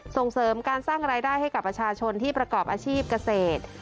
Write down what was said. ส่งเสริมการสร้างรายได้ให้กับประชาชนที่ประกอบอาชีพเกษตร